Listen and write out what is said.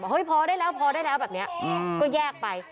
เฮ้ยพอได้แล้วพอได้แล้วแบบนี้ก็แยกไป